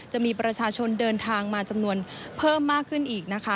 จะมีประชาชนเดินทางมาจำนวนเพิ่มมากขึ้นอีกนะคะ